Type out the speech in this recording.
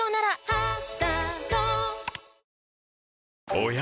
おや？